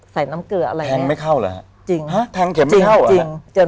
ใส่น้ำเกลืออะไรแทงไม่เข้าเหรอฮะจริงฮะแทงเข็มไม่เข้าเหรอจริง